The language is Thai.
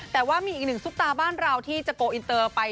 แต่ว่ามีอีกหนึ่งซุปตาบ้านเราที่จะโกลอินเตอร์ไป